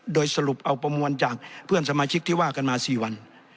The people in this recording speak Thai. โดยสรุปเอาประมวลจากเพื่อนสมาชิกที่ว่ากันมา๔วัน